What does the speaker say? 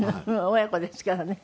親子ですからね。